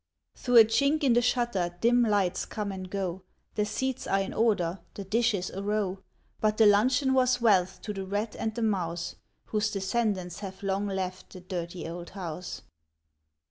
Through a chink in the shutter dim lights come and go; The seats are in order, the dishes a row: But the luncheon was wealth to the rat and the mouse Whose descendants have long left the Dirty Old House.